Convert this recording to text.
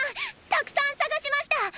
たくさん捜しましたっ！